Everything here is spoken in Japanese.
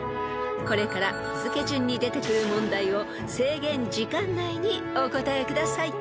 ［これから日付順に出てくる問題を制限時間内にお答えください］